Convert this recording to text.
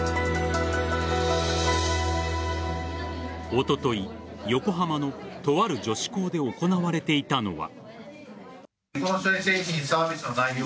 おととい、横浜のとある女子校で行われていたのは。